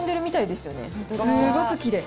すごくきれい。